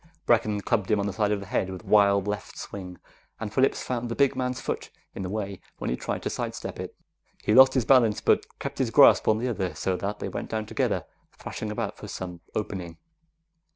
Brecken clubbed him on the side of the head with a wild left swing, and Phillips found the big man's foot in the way when he tried to sidestep. He lost his balance, but kept his grasp on the other so that they went down together, thrashing about for some opening.